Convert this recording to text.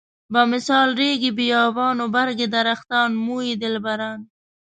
بمثال ريګ بيابان و برګ درختان موی دلبران.